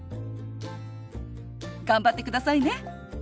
頑張ってくださいね。